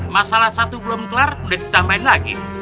masalah satu belum kelar udah ditambahin lagi